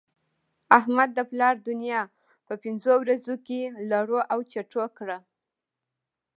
احمد د پلا دونيا په پنځو ورځو کې لړو او چټو کړه.